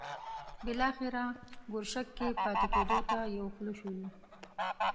بالاخره ګرشک کې پاتې کېدو ته یو خوله شولو.